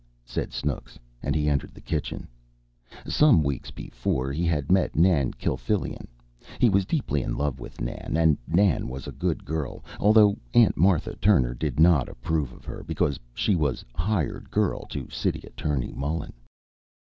said Snooks, and he entered the kitchen. Some weeks before he had met Nan Kilfillan. He was deeply in love with Nan, and Nan was a good girl, although Aunt Martha Turner did not approve of her, because she was "hired girl" to City Attorney Mullen.